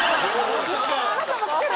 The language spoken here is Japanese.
「あなたも来てる！」